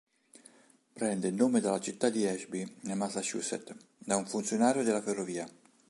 Prende il nome dalla città di Ashby, nel Massachusetts, da un funzionario della ferrovia.